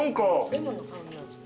レモンの香りなんですか？